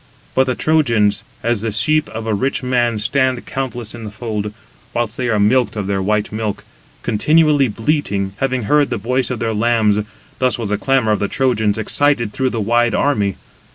But the Trojans, as the sheep of a rich man stand countless in the fold, whilst they are milked of their white milk, continually bleating, having heard the voice of their lambs—thus was the clamour of the Trojans excited through the wide army.